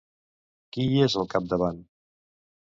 Qui hi és al capdavant?